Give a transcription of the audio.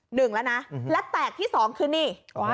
หนึ่งแล้วนะและแตกที่สองคือนี่